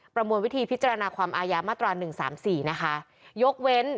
ประมวลวิธีพิจารณาความอายะมาตรา๑๓๔นะคะ